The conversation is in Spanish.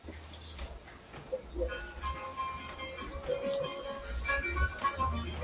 Su territorio corresponde a partes de la moderna Armenia, Georgia, Azerbayán y el Cáucaso.